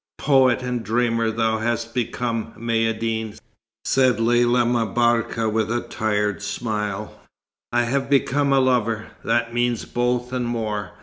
"Poet and dreamer thou hast become, Maïeddine," said Lella M'Barka with a tired smile. "I have become a lover. That means both and more.